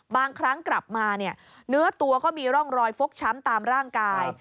บางครั้งกลับมาเนี่ยเนื้อตัวก็มีร่องรอยฟกช้ำตามร่างกาย